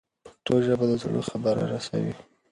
پښتو ژبه د زړه خبره رسوي.